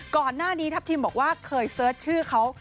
ก่อนหน้านี้ทัพทิมบอกว่าเคยเสิร์ชชื่อเขา